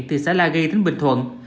thị xã la ghi tỉnh bình thuận